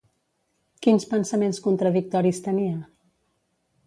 Quins pensaments contradictoris tenia?